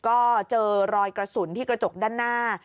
ก็เจอรอยกระสุนที่กระจกด้านหน้า